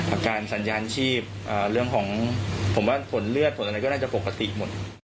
อาการสัญญาณชีพเรื่องของผมว่าผลเลือดผลอะไรก็น่าจะปกติหมด